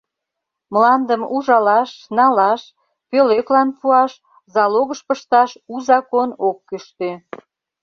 Мландым ужалаш, налаш, пӧлеклан пуаш, залогыш пышташ у закон ок кӱштӧ.